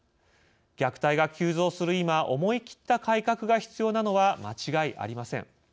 虐待が急増する今思い切った改革が必要なのは間違いありません。